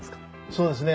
そうですね。